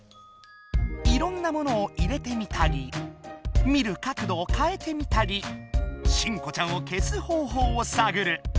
いろんなものを入れてみたり見る角どをかえてみたり新子ちゃんをけす方ほうをさぐる。